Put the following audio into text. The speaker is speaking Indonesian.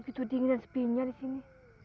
begitu dingin dan sepinya disini